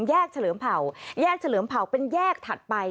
เฉลิมเผ่าแยกเฉลิมเผ่าเป็นแยกถัดไป